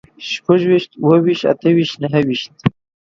شپږ ويشت، اووه ويشت، اته ويشت، نهه ويشت